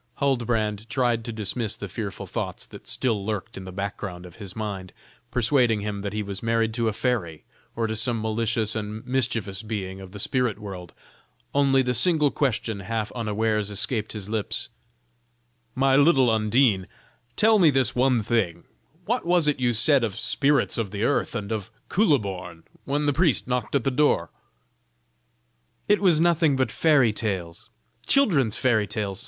Huldbrand tried to dismiss the fearful thoughts that still lurked in the background of his mind, persuading him that he was married to a fairy or to some malicious and mischievous being of the spirit world, only the single question half unawares escaped his lips: "My little Undine, tell me this one thing, what was it you said of spirits of the earth and of Kuhleborn, when the priest knocked at the door?" "It was nothing but fairy tales! children's fairy tales!"